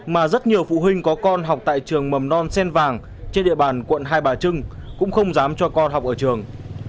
mà rất nhiều phụ huynh có con học tại trường mầm non sen vàng trên địa bàn quận hai bà trưng cũng không dám cho con học ở trường